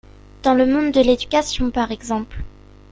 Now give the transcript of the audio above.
Dans le monde de l’éducation par exemple.